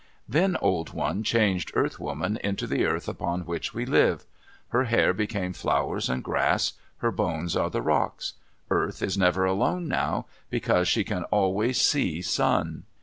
Then Old One changed Earth Woman into the earth upon which we live. Her hair became flowers and grass. Her bones are the rocks. Earth is never alone now, because she can always see Sun.